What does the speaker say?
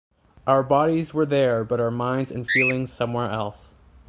Our bodies were there, but our minds and feelings somewhere else.